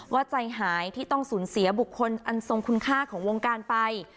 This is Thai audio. ใจหายที่ต้องสูญเสียบุคคลอันทรงคุณค่าของวงการไป